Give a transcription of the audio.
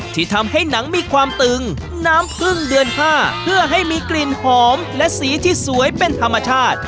ที่ทำให้หนังมีความตึงน้ำพึ่งเดือน๕เพื่อให้มีกลิ่นหอมและสีที่สวยเป็นธรรมชาติ